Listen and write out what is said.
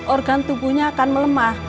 organ tubuhnya akan melemah